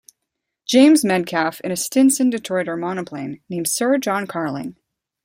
James Medcalf in a Stinson Detroiter monoplane named "Sir John Carling".